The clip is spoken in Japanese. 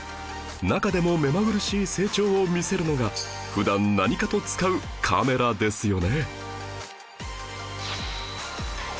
中でもめまぐるしい成長を見せるのが普段何かと使うカメラですよね